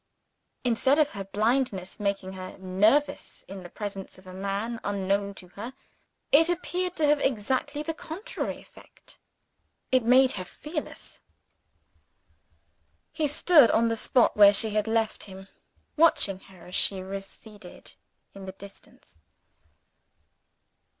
Instead of her blindness making her nervous in the presence of a man unknown to her, it appeared to have exactly the contrary effect. It made her fearless. He stood on the spot where she had left him, watching her as she receded in the distance.